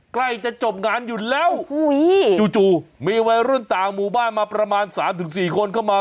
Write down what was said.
ใกล้จะจบงานอยู่แล้วหูยจู่จู่มีวัยรุ่นต่างหมู่บ้านมาประมาณสามถึงสี่คนเข้ามา